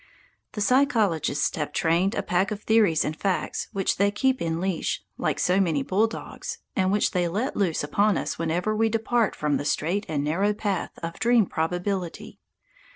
The psychologists have trained a pack of theories and facts which they keep in leash, like so many bulldogs, and which they let loose upon us whenever we depart from the straight and narrow path of dream probability.